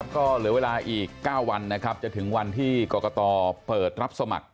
ก็เหลือเวลาอีก๙วันนะครับจะถึงวันที่กรกตเปิดรับสมัคร